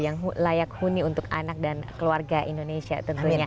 yang layak huni untuk anak dan keluarga indonesia tentunya